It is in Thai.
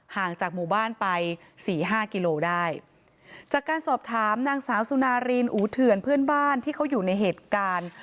ห่างจากหมู่บ้านไปสี่ห้ากิโลได้จากการสอบถามนางสาวสุนารีนอูเถื่อนเพื่อนบ้านที่เขาอยู่ในเหตุการณ์